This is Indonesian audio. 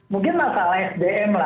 mungkin masalah sdm